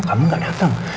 kamu gak dateng